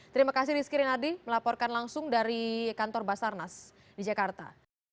terima kasih rizky rinadi melaporkan langsung dari kantor basarnas di jakarta